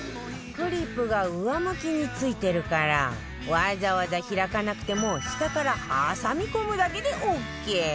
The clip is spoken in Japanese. クリップが上向きに付いてるからわざわざ開かなくても下から挟み込むだけでオーケー